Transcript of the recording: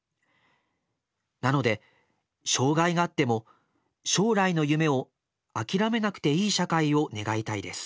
なので障害があっても将来の夢を諦めなくていい社会を願いたいです」。